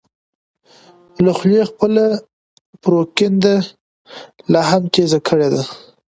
له خولې خپله پروپیګنډه لا هم تېزه کړې ده.